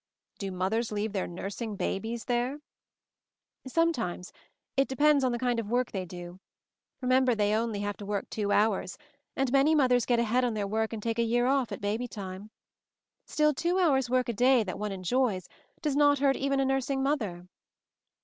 "Do mothers leave their nursing babies there?" "Sometimes; it depends on the kind of work they do. Remember they only have to MOVING THE MOUNTAIN 159 work two hours, and many mothers get ahead on their work and take a year off at haby time. Still, two hours' work a day that one enjoys, does not hurt even a nursing mother."